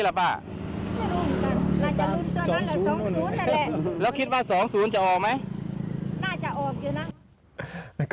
แล้วร่องนวลนี้ล่ะป่ะน่าจะรุ่นตัวนั้นเหลือ๒๐นั่นแหละ